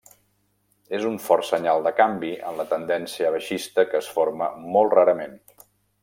És un fort senyal de canvi en la tendència baixista que es forma molt rarament.